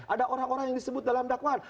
ada orang orang yang disebut dalam dakwaan